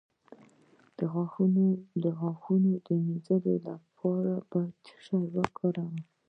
د غاښونو د مینځلو لپاره باید څه شی وکاروم؟